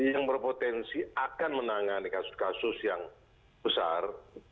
yang berpotensi akan menangani kasus kasus yang besar